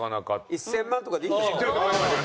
１０００万とかでいいんじゃないですか？